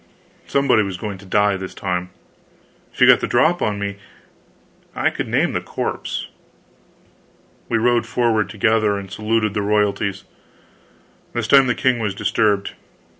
Somebody was going to die this time. If he got the drop on me, I could name the corpse. We rode forward together, and saluted the royalties. This time the king was disturbed.